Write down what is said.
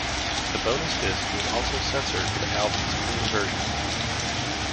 The bonus disc was also censored for the album's clean version.